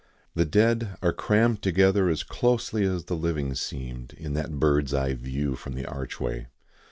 The dead are crammed together as closely as the living seemed in that bird's eye view from the Archway.